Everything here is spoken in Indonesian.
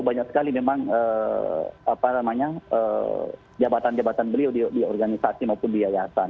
banyak sekali memang jabatan jabatan beliau di organisasi maupun di yayasan